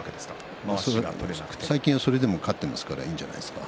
最近はそれでも勝っていますからいいんじゃないですか。